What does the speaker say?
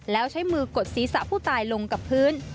แล้วใช้มือกดศีรษะผู้ตายลงกับพื้น